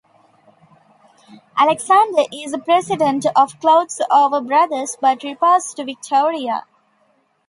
Alexander is the president of Clothes Over Brothers but reports to Victoria.